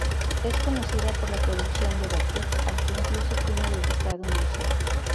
Es conocida por la producción de batik, al que incluso tiene dedicado un museo.